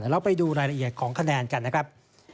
เราไปดูรายละเอียดของคะแนนกันนะครับ